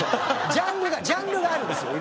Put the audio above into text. ジャンルがジャンルがあるんです色々と。